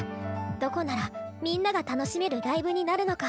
どこならみんなが楽しめるライブになるのか。